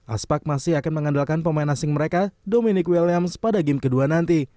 aspak masih akan mengandalkan pemain asing mereka dominic williams pada game kedua nanti